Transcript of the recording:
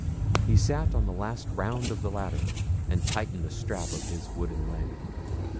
He sat on the last round of the ladder, and tightened the strap of his wooden leg.